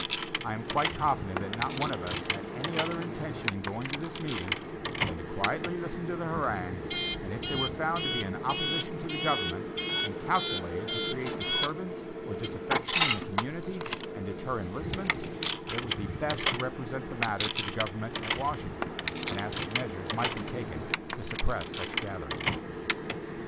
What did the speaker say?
I am quite confident that not one of us had any other intention in going to this meeting, than to quietly listen to the harangues, and if they were found to be in opposition to the government, and calculated to create disturbance or disaffection in the community, and deter enlistments, it would be best to represent the matter to the government at Washington, and ask that measures might be taken to suppress such gatherings.